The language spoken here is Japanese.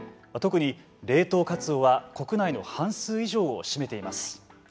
特に冷凍カツオは国内の半数以上を占めています。